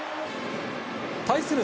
対する